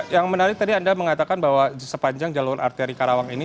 yang menarik tadi anda mengatakan bahwa sepanjang jalur arteri karawang ini